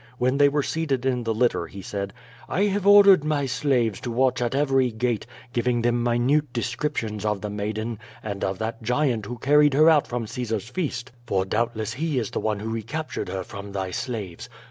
When they were seated in the litter he said: "I have ordered my slaves to watch at every gate, giving them minute descriptions of the maiden and of that giant who carried her out from Caesar's feast, for doubtless he is the one who recaptured her from thy slaves.